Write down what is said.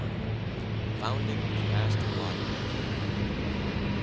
FOUNDING THE ASTOR LIBRARY.